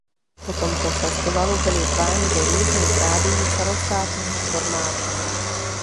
Po tomto festivalu byli zváni do různých rádií celostátního formátu.